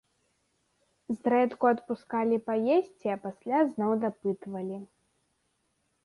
Зрэдку адпускалі паесці, а пасля зноў дапытвалі.